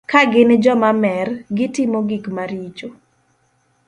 Ka gin joma mer, gitimo gik maricho.